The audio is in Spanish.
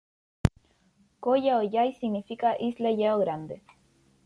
Ko Yao Yai significa Isla Yao grande.